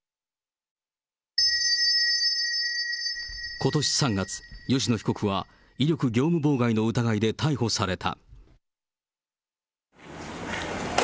ことし３月、吉野被告は、威力業務妨害の疑いで逮捕された。